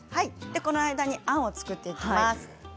この間にあんを作っていきます。